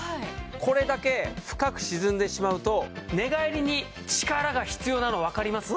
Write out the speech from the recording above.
これだけ深く沈んでしまうと寝返りに力が必要なのわかります？